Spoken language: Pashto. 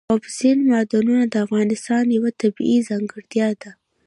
اوبزین معدنونه د افغانستان یوه طبیعي ځانګړتیا ده.